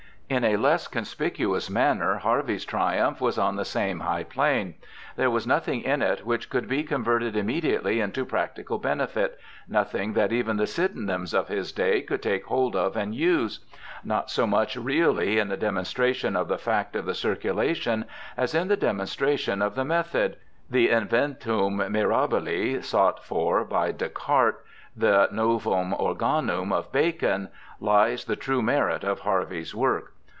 In a less conspicuous manner Harvey's triumph was on the same high plane. There was nothing in it which could be converted immediately into practical benefit, nothing that even the Sydenhams of his day could take hold of and use. Not so much really in the demonstration of the fact of the circulation as in the demonstration of the method — the Inventum mirahile sought for by Descartes, the Novum Organimi of Bacon — lies the true merit of Harvey's work.